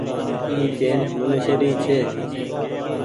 اي پين منيشي ري ڇي۔